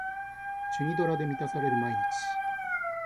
チュニドラで満たされる毎日